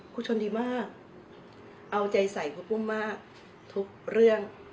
ชนดีมากเอาใจใส่ครูปุ้มมากทุกเรื่อง